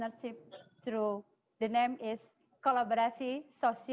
mereka bisa menunggu untuk keluar dari krisis ini